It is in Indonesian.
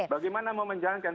bagaimana mau menjalankan